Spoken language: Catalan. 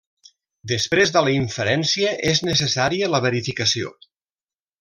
Després de la inferència, és necessària la verificació.